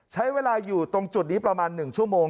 ใช้เวลาอยู่ตรงจุดนี้ประมาณ๑ชั่วโมง